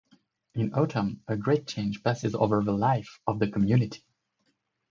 In autumn, a great change passes over the life of the community.